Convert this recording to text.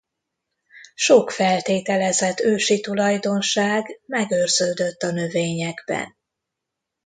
Sok feltételezett ősi tulajdonság megőrződött a növényekben.